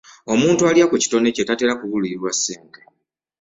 Omuntu alya ku kitone kye tatera kubulirirwa ssente.